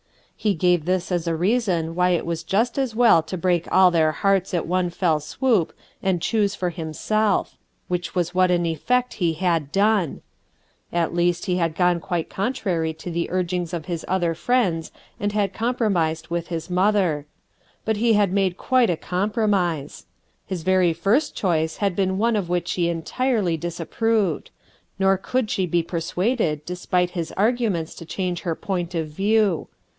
He gave this as a reason why it was just as well to break all their hearts at one fell swoop and choose for himself — which was what in effect he had done; 20 30 RUTH ERSKXNE'S SON at least be had gone quite contrary to the urging of his other friends and had compromised with his mother. But he had made quite a compromise. His very first choice had been one of which she entirely disapproved; nor could she be per suaded despite his arguments to change her point of view.